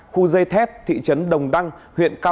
khu dây thép thị trấn đồng đăng huyện bắc cạn